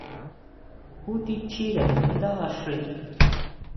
¿Ju tjín chire ndá axi?